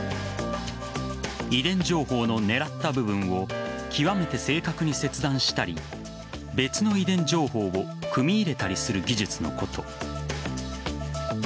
遺伝情報の狙った部分を極めて正確に切断したり別の遺伝情報を組み入れたりする技術のこと。